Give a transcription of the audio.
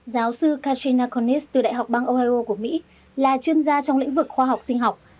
giáo sư katrina cohnis từ đại học bang ohio của mỹ là chuyên gia trong lĩnh vực khoa học sinh học